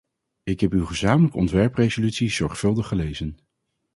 Ik heb uw gezamenlijke ontwerpresolutie zorgvuldig gelezen.